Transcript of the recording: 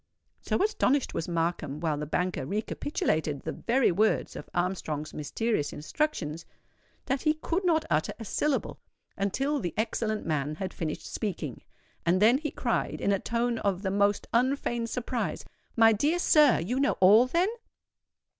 _'" So astonished was Markham, while the banker recapitulated the very words of Armstrong's mysterious instructions, that he could not utter a syllable until the excellent man had finished speaking; and then he cried, in a tone of the most unfeigned surprise, "My dear sir, you know all, then?"